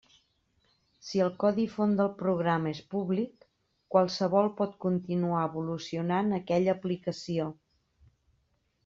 Si el codi font del programa és públic, qualsevol pot continuar evolucionant aquella aplicació.